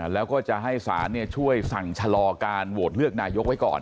แล้วก็จะให้ศาลช่วยสั่งชะลอการโหวตเลือกนายกไว้ก่อน